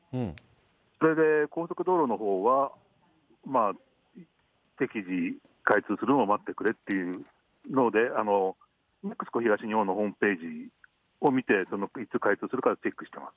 それで高速道路のほうは、適時、開通するのを待ってくれっていうので、東日本のホームページを見て、いつ解消するかチェックしてます。